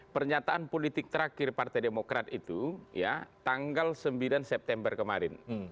pernyataan politik terakhir partai demokrat itu ya tanggal sembilan september kemarin